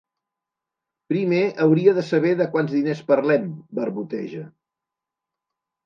Primer hauria de saber de quants diners parlem —barboteja.